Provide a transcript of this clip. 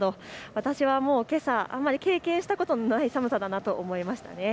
私は、けさ経験したことのない寒さだと感じました。